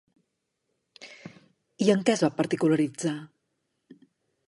I en què es va particularitzar?